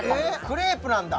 クレープなんだ